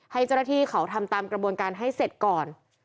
ให้เจ้าหน้าที่เขาทำตามกระบวนการให้เสร็จก่อน